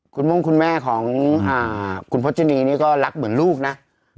คุณม่งคุณแม่ของคุณพจนีนี่ก็รักเหมือนลูกนะ